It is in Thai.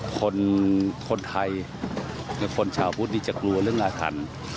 คนไทยและคนชาวพุทธนี่จะกลัวเรื่องอาถรรพ์